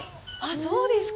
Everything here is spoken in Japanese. そうですか。